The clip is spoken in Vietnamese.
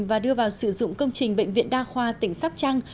và đưa vào sử dụng công trình bệnh viện đa khoa tỉnh sóc trăng